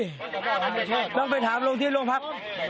มันต้องไปถามลุงที่ลุงพัก